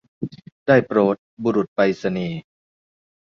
ได้โปรดบุรุษไปรษณีย์